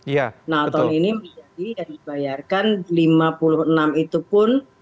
nah tahun ini menjadi yang dibayarkan rp lima puluh enam itu pun